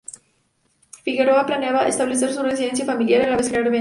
Figueroa planeaba establecer su residencia familiar y a la vez generar rentas.